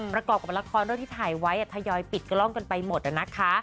ประกอบกับละครที่ถ่ายไว้พยายายปิดกล้องกันไปหมดนะคะ